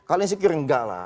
kalau insecure enggak lah